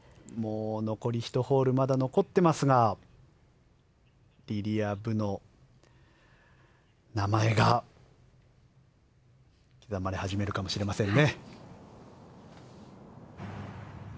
残り１ホールまだ残ってますがリリア・ブの名前が刻まれ始めるかもしれませんね。